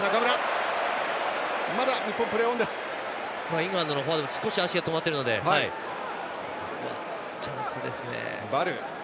イングランドのフォワードは少し足が止まってるのでチャンスですね。